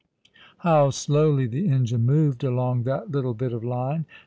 How slowly the engine moved along that little bit of line